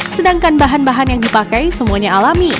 sedangkan bahan bahan yang dipakai semuanya alami